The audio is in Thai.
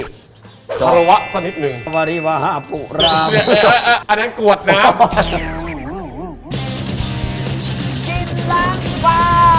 เขาวะสักนิดหนึ่งสวัสดีว่าห้าผู้รามอันนั้นกวดน้ำ